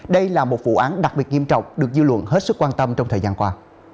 đây là một vụ án đặc biệt nghiêm trọng được dư luận hết sức quan tâm trong thời gian qua